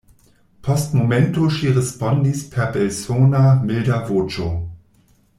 Post momento ŝi respondis per belsona, milda voĉo: